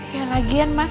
ya lagian mas